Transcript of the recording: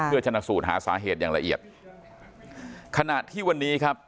เพื่อชนะสูตรหาสาเหตุอย่างละเอียดขณะที่วันนี้ครับ